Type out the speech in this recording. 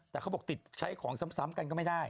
แต่เขาบอกติดใช้ของซ้ำกันก็ไม่ได้